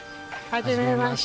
はじめまして。